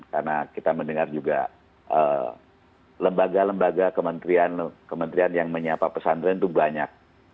karena kita mendengar juga lembaga lembaga kementerian yang menyapa pesantren itu banyak